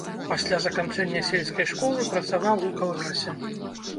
Пасля заканчэння сельскай школы працаваў у калгасе.